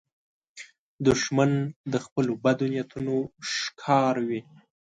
دښمن د خپلو بدو نیتونو ښکار وي